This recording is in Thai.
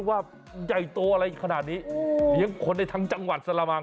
ว่าใหญ่โตอะไรขนาดนี้เลี้ยงคนได้ทั้งจังหวัดสละมัง